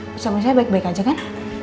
bersama saya baik baik aja kan